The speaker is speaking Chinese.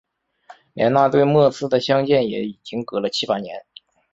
连那最末次的相见也已经隔了七八年